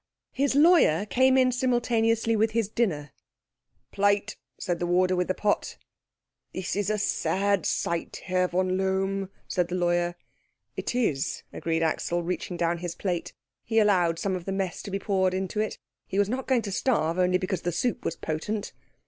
His lawyer came in simultaneously with his dinner. "Plate," said the warder with the pot. "This is a sad sight, Herr von Lohm," said the lawyer. "It is," agreed Axel, reaching down his plate. He allowed some of the mess to be poured into it; he was not going to starve only because the soup was potent.